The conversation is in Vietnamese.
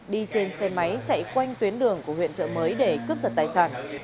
đi trên xe máy chạy quanh tuyến đường của huyện trợ mới để cướp giật tài sản